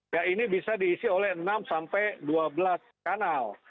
ya ini bisa diisi oleh enam sampai dua belas kanal